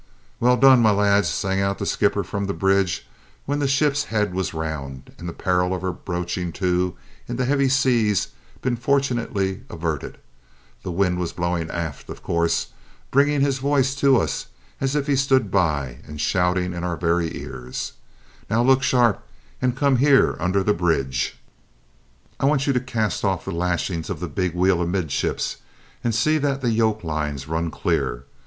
"Well done, my lads!" sang out the skipper from the bridge, when the ship's head was round and the peril of her broaching to in the heavy seaway been fortunately averted; the wind was blowing aft, of course, and bringing his voice to us as if he stood by, and shouting in our very ears, "Now look sharp and come here under the bridge; I want you to cast off the lashings of the big wheel amidships and see that the yolk lines run clear.